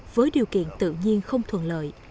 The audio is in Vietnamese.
với điều kiện tự nhiên không thuận lợi